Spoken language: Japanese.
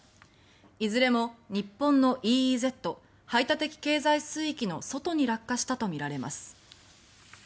いずれも日本のＥＥＺ・排他的経済水域の外に落下したとみられます。